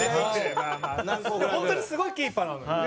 本当にすごいキーパーなのよ